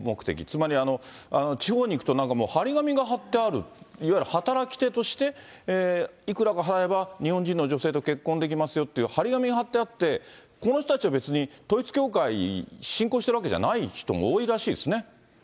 つまり地方に行くとなんかもう、張り紙が張ってある、いわゆる働き手としていくらか払えば、日本人の女性と結婚できますよという張り紙が張ってあって、この人たちは別に、統一教会信仰してるわけじゃない人も多いらしいですね。